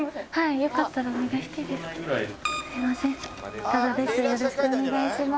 よろしくお願いします。